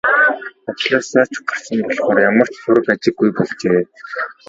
Ажлаасаа ч гарсан болохоор ямар ч сураг ажиггүй болжээ.